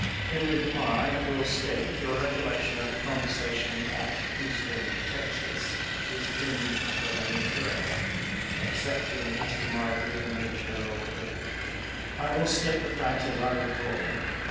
In reply, will state your recollection of the conversation at Houston, Texas, is in the main correct, excepting as to my being with 310 SOLDIER'S LETTERS TO CHARMING NELLIE General Lee. I will state the facts as I recall them.